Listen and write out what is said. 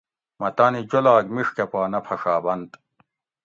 مہ تانی جولاگ میڛ کہ پا نہ پھڛابنت